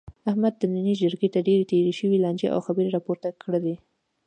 احمد د نن جرګې ته ډېرې تېرې شوې لانجې او خبرې را پورته کړلې.